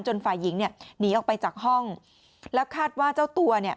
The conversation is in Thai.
จนฝ่ายหญิงหนีออกไปจากห้องแล้วคาดว่าเจ้าตัว